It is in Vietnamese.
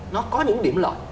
nó có những điểm lợi